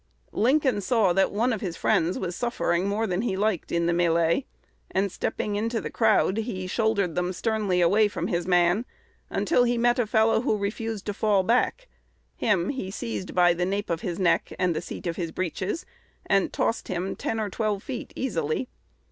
Lincoln saw that one of his friends was suffering more than he liked in the mêlée; and, stepping into the crowd, he shouldered them sternly away from his man, until he met a fellow who refused to fall back: him he seized by the nape of the neck and the seat of his breeches, and tossed him "ten or twelve feet easily."